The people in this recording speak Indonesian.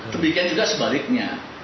demikian juga sebaliknya